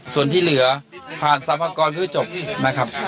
ส่วนที่เหลือผ่านสรรพากรเพื่อจบนะครับ